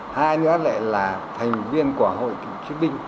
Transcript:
hai nữa lại là thành viên của hội trí bình